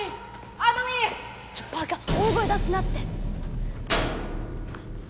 バカ大声出すなって！